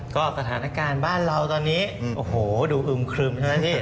ก็สถานการณ์บ้านเราตอนนี้โอ้โหดูอึมครึมใช่ไหมพี่